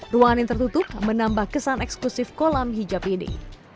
ruangan yang tertutup menambah kesan eksklusif kolam hijab ini